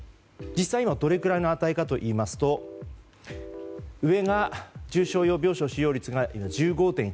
実際に今どれくらいの値かといいますと上が重症用病床使用率が１５．１％。